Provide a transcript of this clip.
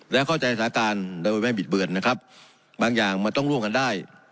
และเข้าใจสถานการณ์โดยไม่บิดเบือนนะครับบางอย่างมันต้องร่วมกันได้